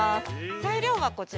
材料はこちら。